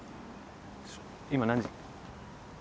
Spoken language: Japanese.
今何時？